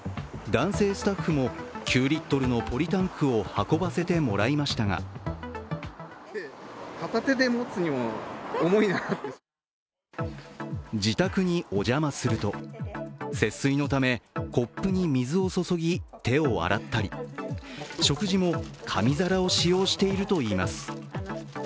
男性スタッフも９リットルのポリタンクを運ばせてもらいましたが自宅にお邪魔すると、節水のためコップに水を注ぎ手を洗ったり、食事も紙皿を使用しているといいます。